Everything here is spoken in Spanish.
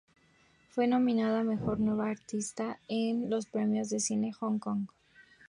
Fue nominada a "Mejor Nueva Artista" en los Premios de Cine de Hong Kong.